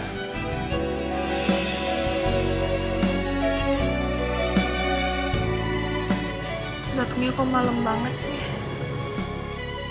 gak tunggu kok malem banget sih